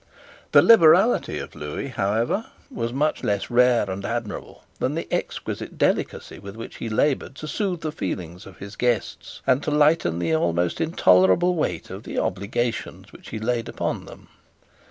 The liberality of Lewis, however, was much less rare and admirable than the exquisite delicacy with which he laboured to soothe the feelings of his guests and to lighten the almost intolerable weight of the obligations which he laid upon them.